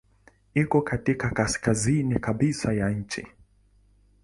Iko katika kaskazini kabisa ya nchi.